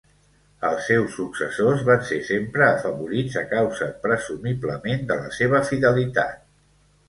Els seus successors van ser sempre afavorits a causa presumiblement de la seva fidelitat.